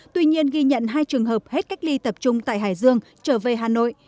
tuy nhiên ghi nhận hai trường hợp hết cách ly tập trung tại hải dương trở về hà nội